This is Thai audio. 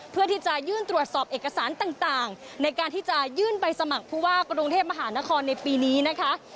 เพื่อที่จะยื่นตรวจสอบเอกสารต่างในการที่จะยื่นใบสมัครผู้ว่ากรุงเทพมหานครในปีนี้นะคะ